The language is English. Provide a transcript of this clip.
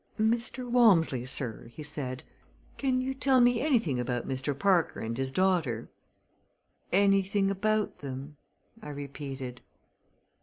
"Mr. Walmsley, sir," he said, "can you tell me anything about Mr. Parker and his daughter?" "Anything about them?" I repeated.